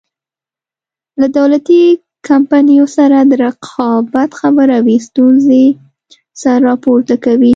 له دولتي کمپنیو سره د رقابت خبره وي ستونزې سر راپورته کوي.